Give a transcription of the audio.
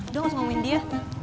udah gausah ngomongin dia